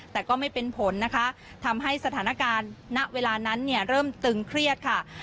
แต่ก็ไม่เป็นผลนะคะทำให้สถานการณ์ณเวลานั้นเนี่ยเริ่มตึงเครียดค่ะ